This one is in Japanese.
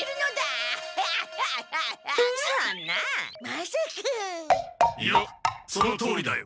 いやそのとおりだよ！